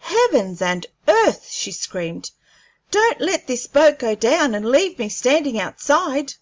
"Heavens and earth!" she screamed; "don't let this boat go down and leave me standing outside!"